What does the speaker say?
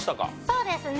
そうですね